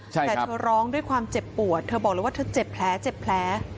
แต่เธอร้องด้วยความเจ็บปวดเธอบอกเลยว่าเธอเจ็บแผลเจ็บแผล